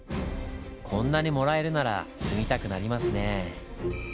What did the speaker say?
こんなにもらえるなら住みたくなりますねぇ。